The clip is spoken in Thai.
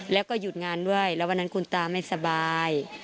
แล้วก็หยุดงานด้วยแล้ววันนั้นคุณตาไม่สบาย